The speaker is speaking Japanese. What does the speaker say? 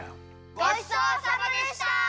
ごちそうさまでした！